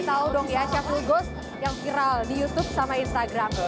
tahu dong ya chef lugos yang viral di youtube sama instagram